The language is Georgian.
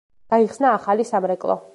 გაიხსნა ახალი სამრეკლო.